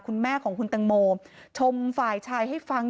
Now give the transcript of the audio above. คุณแม่ของคุณตังโมชมฝ่ายชายให้ฟัง